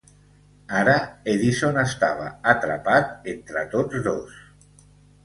Ara Edison estava atrapat entre tots dos.